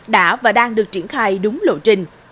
đã và đang được triển khai đúng lộ trình